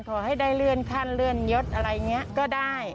ขอให้ได้เลื่อนขั้นเลื่อนยศอะไรอย่างนี้ก็ได้